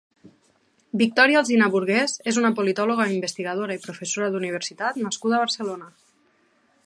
Victòria Alsina Burgués és una politòloga, investigadora i professora d'universitat nascuda a Barcelona.